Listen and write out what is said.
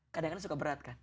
kadang kadang suka berat kan